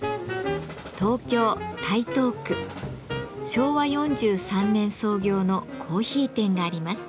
昭和４３年創業のコーヒー店があります。